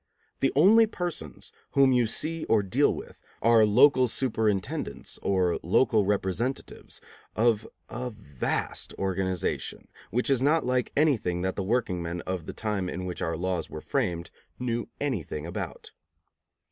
The only persons whom you see or deal with are local superintendents or local representatives of a vast organization, which is not like anything that the workingmen of the time in which our laws were framed knew anything about.